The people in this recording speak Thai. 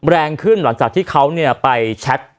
แรงขึ้นหลังจากที่เขาไปแชท